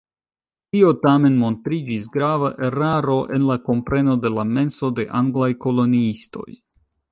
Tio tamen montriĝis grava eraro en la kompreno de la menso de anglaj koloniistoj.